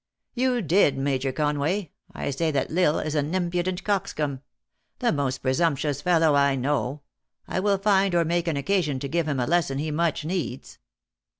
" You did Major Conway. I say that L Isle is an impudent coxcomb. The most presumptuous fellow I know. I will find or make an occasion to give him a lesson he much needs."